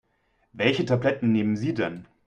Welche Tabletten nehmen Sie denn?